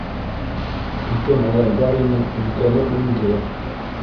- Ике малай бар ине, өлкәне үлде.